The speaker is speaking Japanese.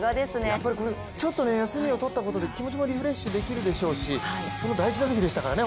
やっぱりちょっと休みを取ったことで気持ちもリフレッシュできるでしょうしその第１打席でしたからね